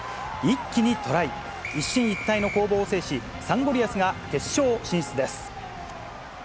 一進一退の攻防を制し、サンゴリアスが決勝進出です。